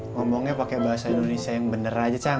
ngomongnya pake bahasa indonesia yang bener aja can